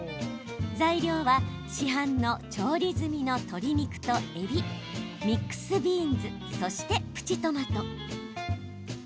材料は、市販の調理済みの鶏肉とえび、ミックスビーンズそして、プチトマト。